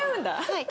はい。